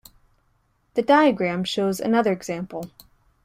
The diagram shows another example.